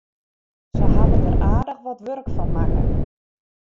Se hawwe der aardich wat wurk fan makke.